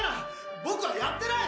僕はやってない！